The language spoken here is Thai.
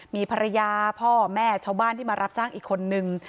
มีภรรยาพ่อแม่ชาวบ้านที่มารับจ้างอีกคนนึง